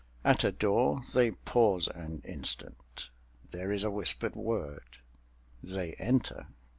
At a door they pause an instant, there is a whispered word—they enter.